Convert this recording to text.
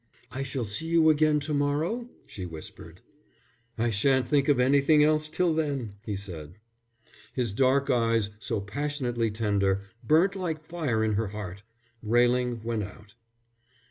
"I shall see you again to morrow?" she whispered. "I shan't think of anything else till then," he said. His dark eyes, so passionately tender, burnt like fire in her heart. Railing went out.